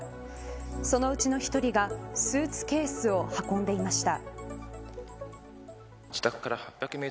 そのうちの１人がスーツケースを運んでいました。